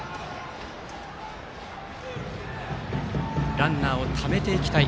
ランナーをためていきたい